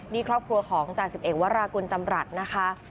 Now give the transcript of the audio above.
นี่ครอบครัวของจาก๑๑วรรคุณจำรัฐนะคะ